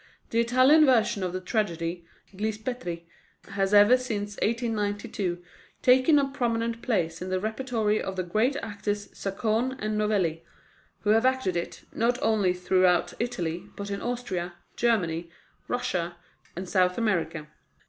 The Italian version of the tragedy, Gli Spettri, has ever since 1892 taken a prominent place in the repertory of the great actors Zaccone and Novelli, who have acted it, not only throughout Italy, but in Austria, Germany, Russia, Spain, and South America.